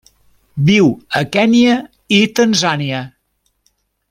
Viu a Kenya i Tanzània.